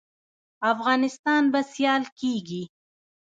افغانستان به سیال کیږي؟